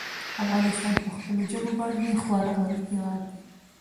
افغانستان په خپلو ژبو باندې خورا غني هېواد دی.